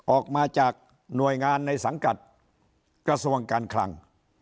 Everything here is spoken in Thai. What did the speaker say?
ออกมาจากหน่วยงานในสังกัดกระทรวงการคลัง